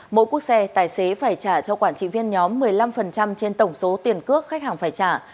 mỗi quốc xe tài xế phải trả cho quản trị viên nhóm một mươi năm trên tổng số tiền cước khách hàng phải trả